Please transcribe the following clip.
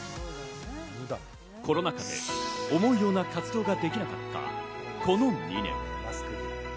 コロナ禍で思うような活動ができなかったこの２年。